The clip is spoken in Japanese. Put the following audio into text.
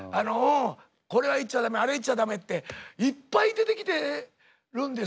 これは言っちゃ駄目あれは言っちゃ駄目っていっぱい出てきてるんですよ。